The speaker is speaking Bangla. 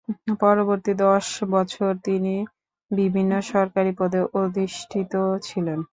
পরবর্তী দশ বছর তিনি বিভিন্ন সরকারি পদে অধিষ্ঠিত ছিলেন।